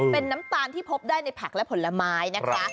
เป็นน้ำตาลที่พบได้ในผักและผลไม้นะคะ